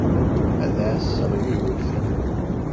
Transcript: Ad ɛasseɣ Yugurten.